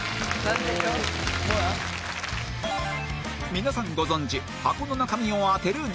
皆さんご存じ箱の中身を当てるゲーム